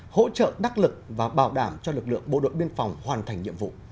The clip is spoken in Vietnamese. hỗ trợ đắc lực và bảo đảm cho lực lượng bộ đội biên phòng hoàn thành nhiệm vụ